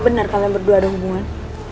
bener kalo yang berdua ada hubungan